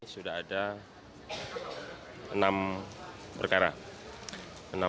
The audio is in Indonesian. sudah ada enam perkara